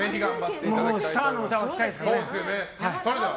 スターの歌が聴きたいですね。